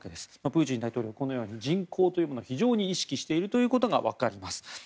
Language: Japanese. プーチン大統領もこのように人口というものを非常に意識しているということが分かります。